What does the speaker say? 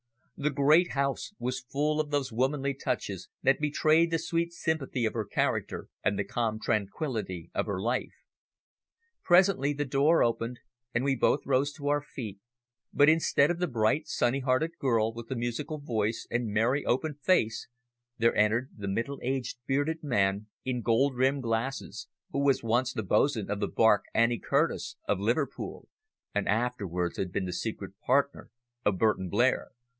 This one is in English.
The great house was full of those womanly touches that betrayed the sweet sympathy of her character and the calm tranquillity of her life. Presently the door opened, and we both rose to our feet, but instead of the bright, sunny hearted girl with the musical voice and merry, open face, there entered the middle aged bearded man in gold rimmed glasses, who was once the bo'sun of the barque Annie Curtis of Liverpool, and afterwards had been the secret partner of Burton Blair.